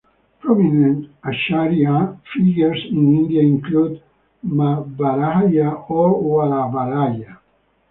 Prominent "acharya" figures in India include Madhvacharya or Vallabhacharya.